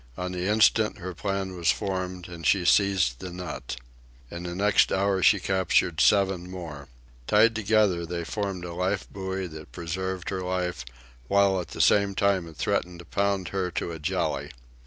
On the instant her plan was formed, and she seized the nut. In the next hour she captured seven more. Tied together, they formed a life buoy that preserved her life while at the same time it threatened to pound her to a jelly.